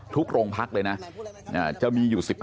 ทุกโลงพรรคเลยนะจะมีอยู่๑๕คน